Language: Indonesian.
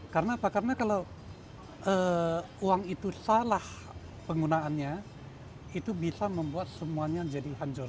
karena apa karena kalau uang itu salah penggunaannya itu bisa membuat semuanya jadi hancur